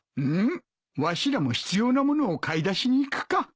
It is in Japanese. うんわしらも必要なものを買い出しに行くか。